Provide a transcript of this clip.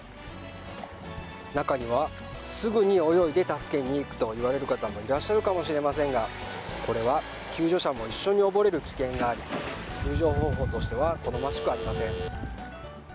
中にはすぐに泳いで助けに行くという方もいらっしゃるかもしれませんがこれは救助者も一緒に溺れる危険があり救助方法としては好ましくありません。